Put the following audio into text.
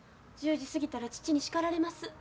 １０時過ぎたら父に叱られます。